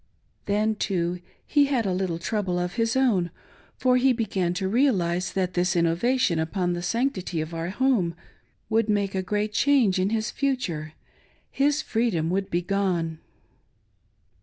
Then, too, he had a little trouble of his own, for he began to realise that this innovation upon the sanctity of our home would make a great change in his future — his freedom woidd be gone.